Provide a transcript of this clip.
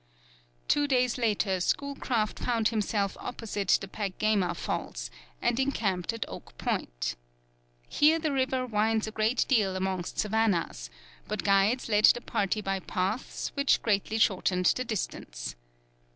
Two days later Schoolcraft found himself opposite the Peckgama Falls, and encamped at Oak Point. Here the river winds a great deal amongst savannahs, but guides led the party by paths which greatly shortened the distance.